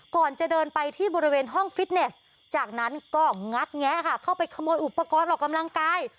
ก่อนจะเดินไปที่บริเวณห้องฟิตเนสจากนั้นก็งัดแงะค่ะเข้าไปขโมยอุปกรณ์ออกกำลังกาย